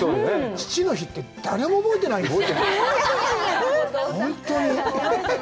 父の日って、誰も覚えてないんですよ。